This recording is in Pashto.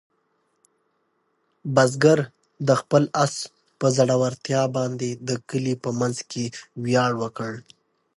بزګر د خپل آس په زړورتیا باندې د کلي په منځ کې ویاړ وکړ.